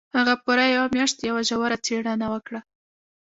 هغه پوره یوه میاشت یوه ژوره څېړنه وکړه